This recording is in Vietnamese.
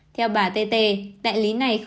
theo bà tê tê đại lý này khó